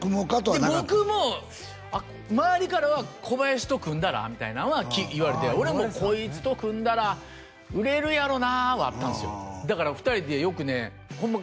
で僕も周りからはコバヤシと組んだら？みたいなんは言われて俺もコイツと組んだら売れるやろうなあはあったんすよだから２人でよくねホンマ